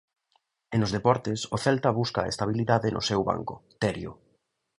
E nos deportes, o Celta busca a estabilidade no seu banco, Terio.